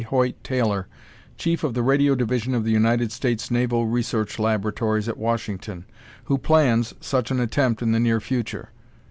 Hoyt Taylor, Chief of the Radio Division of the United States Naval Research Laboratories at Washington, who plans such an attempt in the near future.